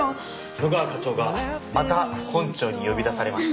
野川課長がまた本庁に呼び出されました。